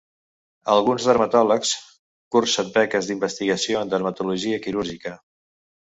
Alguns dermatòlegs cursen beques d"investigació en dermatologia quirúrgica.